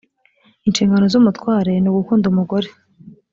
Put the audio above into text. inshingano z ‘umutware nugukunda umugore.